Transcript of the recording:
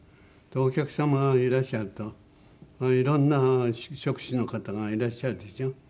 お客様がいらっしゃるといろんな職種の方がいらっしゃるでしょ。